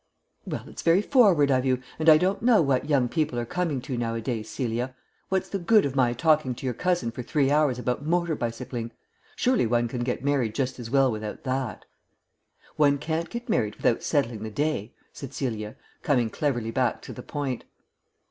"Well, it's very forward of you, and I don't know what young people are coming to nowadays. Celia, what's the good of my talking to your cousin for three hours about motor bicycling? Surely one can get married just as well without that?" "One can't get married without settling the day," said Celia, coming cleverly back to the point.